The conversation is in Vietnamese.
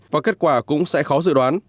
và kết quả cũng sẽ khó dự đoán